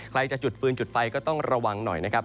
ใครจะจุดฟืนจุดไฟก็ต้องระวังหน่อยนะครับ